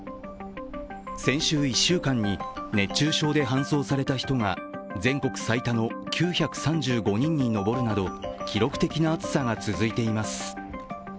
先週１週間に熱中症で搬送された人が全国最多の９３５人に上るなど記録的な暑さが続いています。